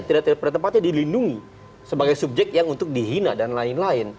tidak pada tempatnya dilindungi sebagai subjek yang untuk dihina dan lain lain